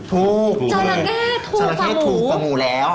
ถูกจราเข้ถูกกว่าหมูแล้ว